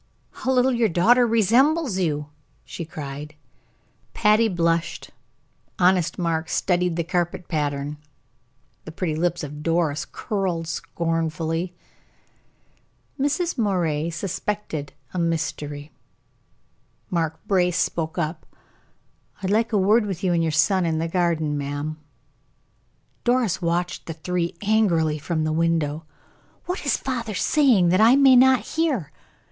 "How little your daughter resembles you!" she cried. Patty blushed, honest Mark studied the carpet pattern, the pretty lips of Doris curled scornfully. Mrs. Moray suspected a mystery. Mark Brace spoke up: "I'd like a word with you and your son in the garden, ma'am." Doris watched the three angrily from the window. "What is father saying that I may not hear?